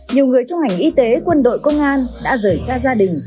nhiều người trong ngành y tế quân đội công an đã rời xa gia đình